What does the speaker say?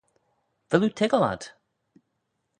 Vel oo toiggal ad?